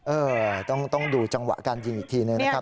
เออต้องดูจังหวะการยิงอีกทีหนึ่งนะครับ